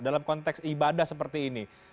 dalam konteks ibadah seperti ini